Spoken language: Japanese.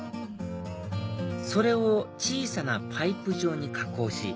それを小さなパイプ状に加工し